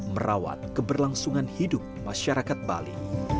merawat keberlangsungan hidup masyarakat bali